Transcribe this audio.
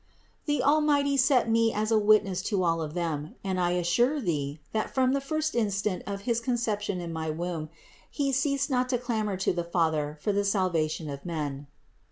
The Almighty set me as a witness to all of them: and I assure thee, that from THE INCARNATION 599 the first instant of his conception in my womb, He ceased not to clamor to the Father for the salvation of men.